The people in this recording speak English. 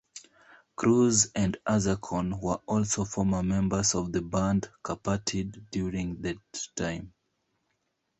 Cruz and Azarcon were also former members of the band Kapatid during that time.